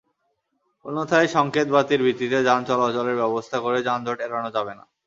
অন্যথায় সংকেত বাতির ভিত্তিতে যান চলাচলের ব্যবস্থা করে যানজট এড়ানো যাবে না।